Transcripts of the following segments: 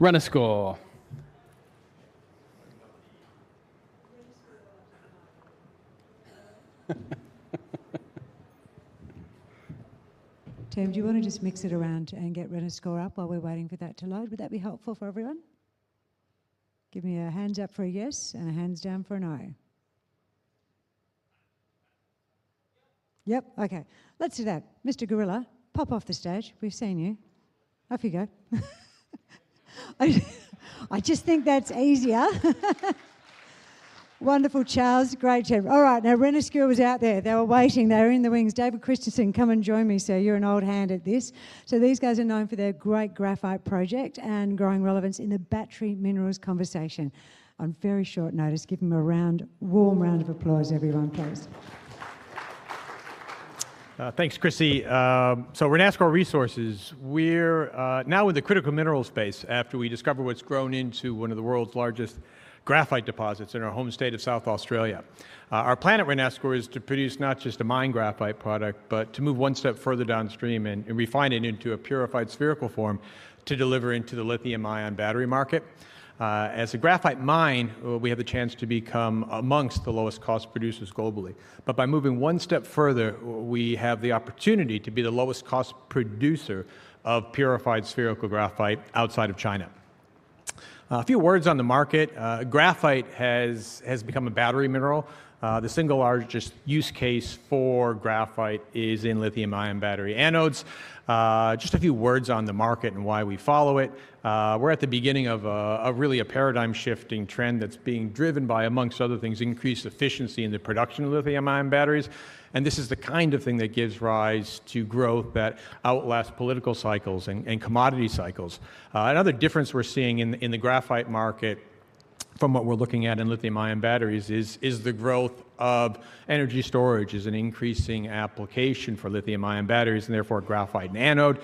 Renascor. Tim, do you want to just mix it around and get Renascor up while we're waiting for that to load? Would that be helpful for everyone? Give me a hands up for a yes, and a hands down for a no. Yep, okay. Let's do that. Mr. Gorilla, pop off the stage. We've seen you. Off you go. I, I just think that's easier. Wonderful, Charles. Great job. All right, now Renascor was out there. They were waiting. They're in the wings. David Christensen, come and join me, sir. You're an old hand at this. So these guys are known for their great Graphite Project and growing relevance in the battery minerals conversation on very short notice. Give them a round, warm round of applause, everyone, please. Thanks, Chrissy. So Renascor Resources, we're now in the critical minerals space after we discovered what's grown into one of the world's largest graphite deposits in our home state of South Australia. Our plan at Renascor is to produce not just a mined graphite product, but to move one step further downstream and refine it into a purified spherical form to deliver into the lithium-ion battery market. As a graphite mine, we have the chance to become among the lowest cost producers globally. But by moving one step further, we have the opportunity to be the lowest cost producer of purified spherical graphite outside of China. A few words on the market. Graphite has become a battery mineral. The single largest use case for graphite is in lithium-ion battery anodes. Just a few words on the market and why we follow it. We're at the beginning of a really paradigm-shifting trend that's being driven by, amongst other things, increased efficiency in the production of lithium-ion batteries, and this is the kind of thing that gives rise to growth that outlasts political cycles and commodity cycles. Another difference we're seeing in the graphite market from what we're looking at in lithium-ion batteries is the growth of energy storage as an increasing application for lithium-ion batteries, and therefore graphite anode.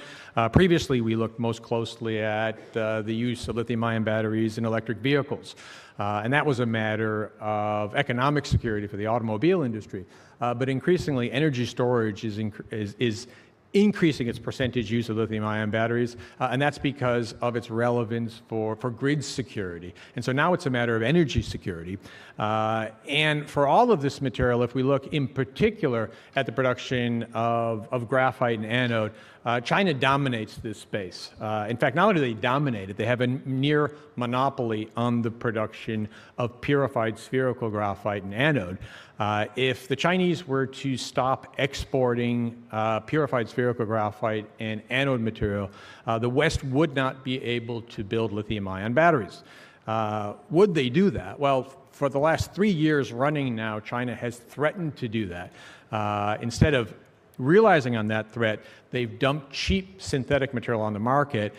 Previously, we looked most closely at the use of lithium-ion batteries in electric vehicles, and that was a matter of economic security for the automobile industry. But increasingly, energy storage is increasing its percentage use of lithium-ion batteries, and that's because of its relevance for grid security. So now it's a matter of energy security. For all of this material, if we look in particular at the production of graphite and anode, China dominates this space. In fact, not only do they dominate it, they have a near monopoly on the production of purified spherical graphite and anode. If the Chinese were to stop exporting purified spherical graphite and anode material, the West would not be able to build lithium-ion batteries. Would they do that? Well, for the last three years running now, China has threatened to do that. Instead of realizing on that threat, they've dumped cheap synthetic material on the market,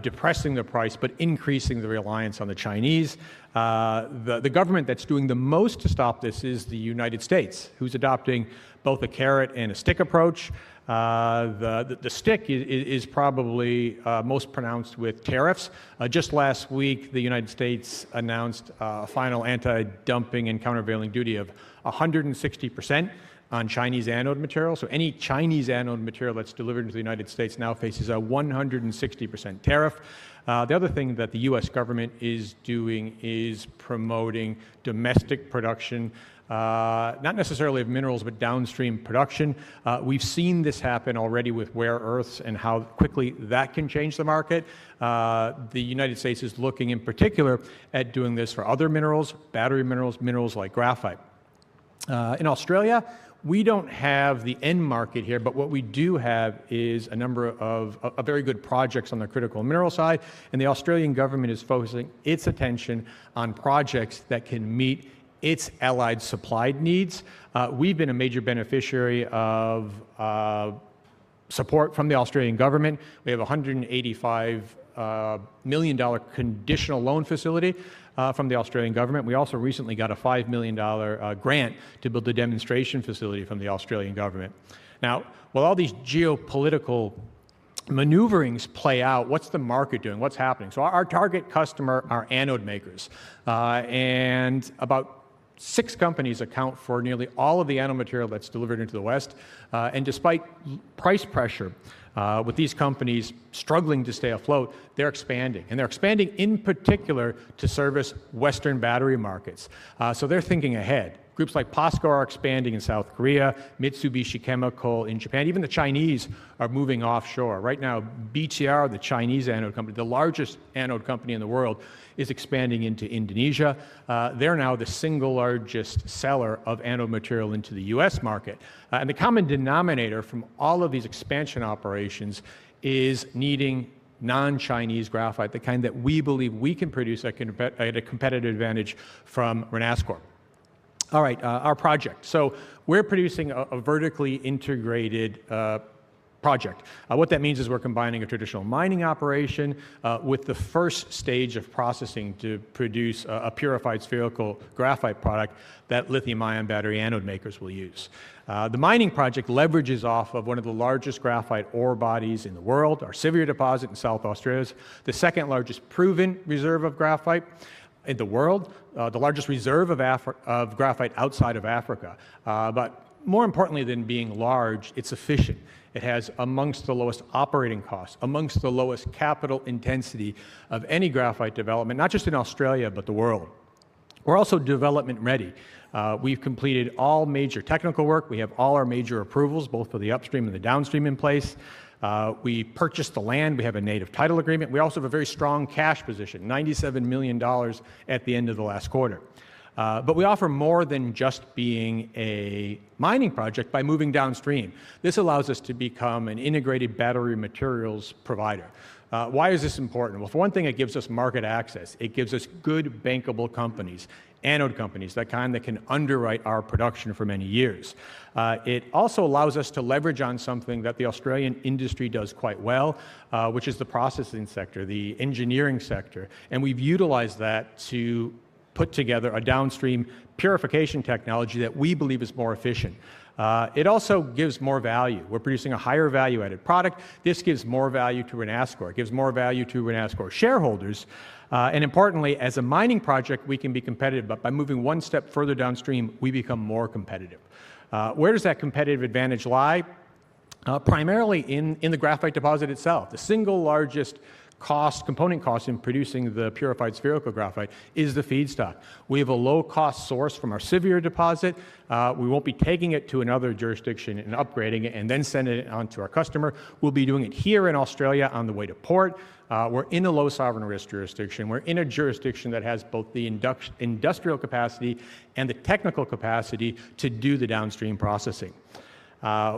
depressing the price, but increasing the reliance on the Chinese. The government that's doing the most to stop this is the United States, who's adopting both a carrot and a stick approach. The stick is probably most pronounced with tariffs. Just last week, the United States announced a final anti-dumping and countervailing duty of 160% on Chinese anode material. So any Chinese anode material that's delivered into the United States now faces a 160% tariff. The other thing that the U.S. government is doing is promoting domestic production, not necessarily of minerals, but downstream production. We've seen this happen already with rare earths and how quickly that can change the market. The United States is looking in particular at doing this for other minerals, battery minerals, minerals like graphite. In Australia, we don't have the end market here, but what we do have is a number of very good projects on the critical mineral side, and the Australian government is focusing its attention on projects that can meet its allied supplied needs. We've been a major beneficiary of support from the Australian government. We have a 185 million dollar conditional loan facility from the Australian government. We also recently got a 5 million dollar grant to build a demonstration facility from the Australian government. Now, while all these geopolitical maneuverings play out, what's the market doing? What's happening? So our target customer are anode makers, and about six companies account for nearly all of the anode material that's delivered into the West. And despite price pressure, with these companies struggling to stay afloat, they're expanding, and they're expanding in particular to service Western battery markets. So they're thinking ahead. Groups like POSCO are expanding in South Korea, Mitsubishi Chemical in Japan. Even the Chinese are moving offshore. Right now, BTR, the Chinese anode company, the largest anode company in the world, is expanding into Indonesia. They're now the single largest seller of anode material into the U.S. market. And the common denominator from all of these expansion operations is needing non-Chinese graphite, the kind that we believe we can produce at a competitive advantage from Renascor. All right, our project. So we're producing a vertically integrated project. What that means is we're combining a traditional mining operation with the first stage of processing to produce a purified spherical graphite product that lithium-ion battery anode makers will use. The mining project leverages off of one of the largest graphite ore bodies in the world, our Siviour deposit in South Australia, the second-largest proven reserve of graphite in the world, the largest reserve of graphite outside of Africa. But more importantly than being large, it's efficient. It has among the lowest operating costs, among the lowest capital intensity of any graphite development, not just in Australia, but the world. We're also development-ready. We've completed all major technical work. We have all our major approvals, both for the upstream and the downstream, in place. We purchased the land. We have a native title agreement. We also have a very strong cash position, 97 million dollars at the end of the last quarter. But we offer more than just being a mining project by moving downstream. This allows us to become an integrated battery materials provider. Why is this important? Well, for one thing, it gives us market access. It gives us good bankable companies, anode companies, the kind that can underwrite our production for many years. It also allows us to leverage on something that the Australian industry does quite well, which is the processing sector, the engineering sector, and we've utilized that to put together a downstream purification technology that we believe is more efficient. It also gives more value. We're producing a higher value-added product. This gives more value to Renascor. It gives more value to Renascor shareholders. Importantly, as a mining project, we can be competitive, but by moving one step further downstream, we become more competitive. Where does that competitive advantage lie? Primarily in the graphite deposit itself. The single largest cost component in producing the Purified Spherical Graphite is the feedstock. We have a low-cost source from our Siviour deposit. We won't be taking it to another jurisdiction and upgrading it and then sending it on to our customer. We'll be doing it here in Australia on the way to port. We're in a low sovereign risk jurisdiction. We're in a jurisdiction that has both the industrial capacity and the technical capacity to do the downstream processing.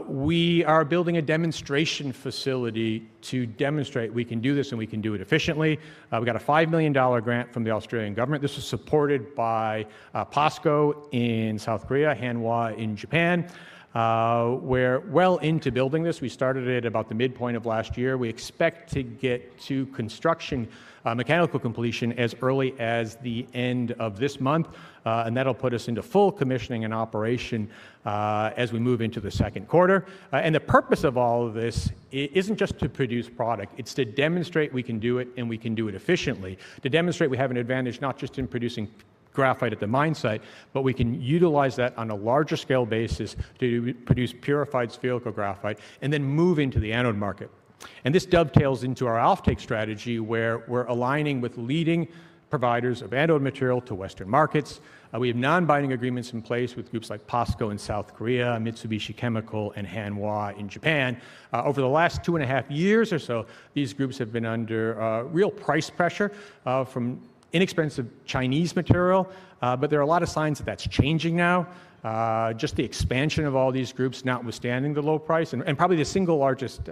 We are building a demonstration facility to demonstrate we can do this, and we can do it efficiently. We got a 5 million dollar grant from the Australian government. This is supported by POSCO in South Korea, Hanwa in Japan. We're well into building this. We started it about the midpoint of last year. We expect to get to construction mechanical completion as early as the end of this month, and that'll put us into full commissioning and operation as we move into the second quarter. And the purpose of all of this isn't just to produce product, it's to demonstrate we can do it, and we can do it efficiently. To demonstrate we have an advantage not just in producing graphite at the mine site, but we can utilize that on a larger scale basis to produce Purified Spherical Graphite and then move into the anode market. This dovetails into our offtake strategy, where we're aligning with leading providers of anode material to Western markets. We have non-binding agreements in place with groups like POSCO in South Korea, Mitsubishi Chemical, and Hanwa in Japan. Over the last 2.5 years or so, these groups have been under real price pressure from inexpensive Chinese material, but there are a lot of signs that that's changing now. Just the expansion of all these groups, notwithstanding the low price, and probably the single largest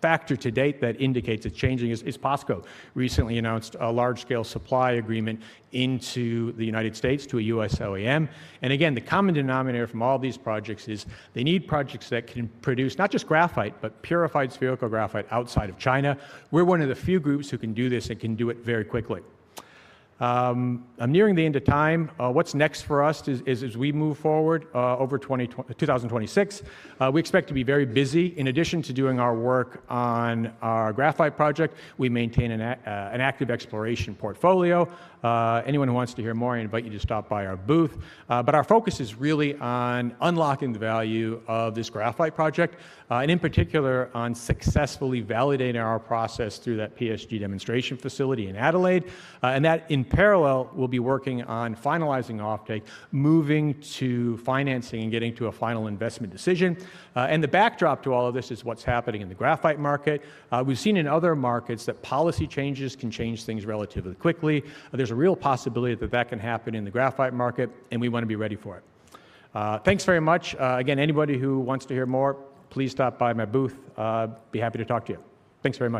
factor to date that indicates it's changing is POSCO recently announced a large-scale supply agreement into the United States to a U.S. OEM. Again, the common denominator from all these projects is they need projects that can produce not just graphite, but purified spherical graphite outside of China. We're one of the few groups who can do this and can do it very quickly. I'm nearing the end of time. What's next for us is as we move forward over 2026, we expect to be very busy. In addition to doing our work on our Graphite Project, we maintain an active exploration portfolio. Anyone who wants to hear more, I invite you to stop by our booth. But our focus is really on unlocking the value of this Graphite Project, and in particular, on successfully validating our process through that PSG demonstration facility in Adelaide. And that in parallel, we'll be working on finalizing offtake, moving to financing, and getting to a final investment decision. And the backdrop to all of this is what's happening in the graphite market. We've seen in other markets that policy changes can change things relatively quickly. There's a real possibility that that can happen in the graphite market, and we want to be ready for it. Thanks very much. Again, anybody who wants to hear more, please stop by my booth. I'd be happy to talk to you. Thanks very much.